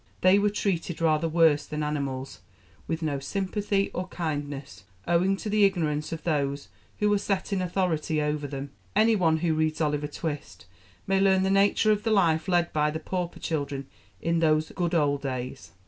They were treated rather worse than animals, with no sympathy or kindness, owing to the ignorance of those who were set in authority over them. Any one who reads Oliver Twist may learn the nature of the life led by the 'pauper' children in those 'good old days.'